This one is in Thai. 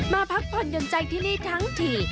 มาพักผ่อนยนใจที่นี่ทั้งที